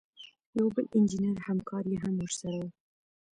یو بل انجینر همکار یې هم ورسره و.